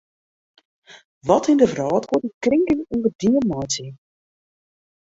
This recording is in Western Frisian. Wat yn de wrâld koe dy krinking ûngedien meitsje?